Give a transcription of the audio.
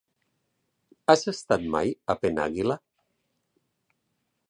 Has estat mai a Penàguila?